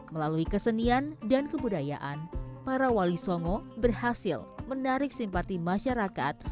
melalui kesenian dan kebudayaan para wali songo berhasil menarik simpati masyarakat